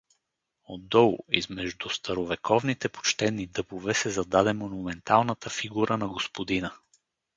Отдолу, измежду старовековните почтени дъбове, се зададе монументалната фигура на господина.